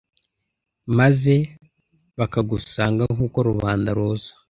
Maze bakagusanga nk’uko rubanda ruza